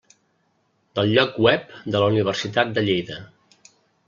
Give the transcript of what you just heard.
Del lloc web de la Universitat de Lleida.